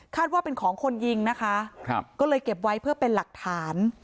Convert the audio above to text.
ว่าเป็นของคนยิงนะคะก็เลยเก็บไว้เพื่อเป็นหลักฐาน